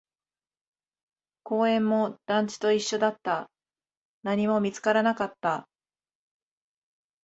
公園も団地と一緒だった、何も見つからなかった